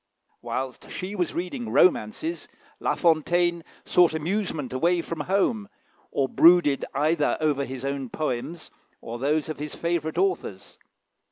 Whilst she was reading romances, La Fontaine sought amusement away from home, or brooded either over his own poems or those of his favourite authors.